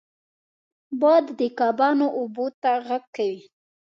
باد د کبانو اوبو ته غږ کوي